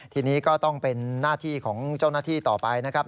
ทีนี้ก็ต้องเป็นหน้าที่ของเจ้าหน้าที่ต่อไปนะครับ